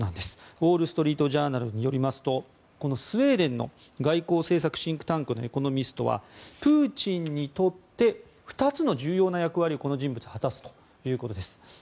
ウォール・ストリート・ジャーナルによりますとスウェーデンの外交政策シンクタンクのエコノミストはプーチンにとって２つの重要な役割をこの人物は果たすということです。